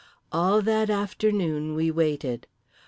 All that afternoon we waited.